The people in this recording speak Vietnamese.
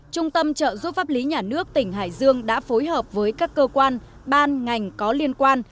trung tâm trợ giúp pháp lý nhà nước tỉnh hải dương đã phối hợp với các cơ quan ban ngành có liên quan